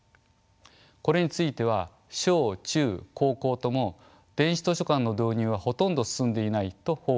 これについては小中高校とも電子図書館の導入はほとんど進んでいないと報告しています。